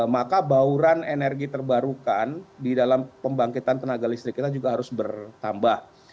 maka bauran energi terbarukan di dalam pembangkitan tenaga listrik kita juga harus bertambah